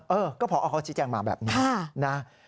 เออก็พอเขาชี้แจงมาแบบนี้นะ